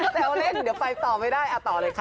แซวเล่นเดี๋ยวไปต่อไม่ได้ต่อเลยค่ะ